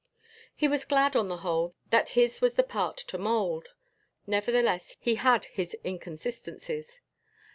He was glad on the whole that his was the part to mold. Nevertheless, he had his inconsistencies.